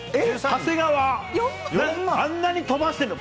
長谷川、あんなに飛ばしてんの。